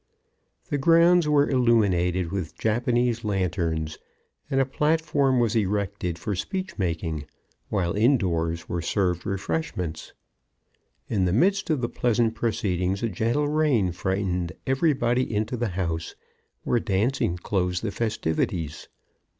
The grounds were illuminated with Japanese lanterns and a platform was erected for speech making, while indoors were served refreshments. In the midst of the pleasant proceedings a gentle rain frightened everybody into the house, where dancing closed the festivities.